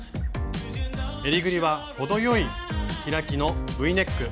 えりぐりは程よい開きのＶネック。